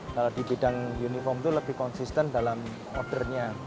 kalau di bidang uniform itu lebih konsisten dalam ordernya